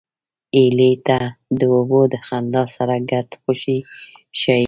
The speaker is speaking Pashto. هیلۍ تل د اوبو د خندا سره ګډه خوښي ښيي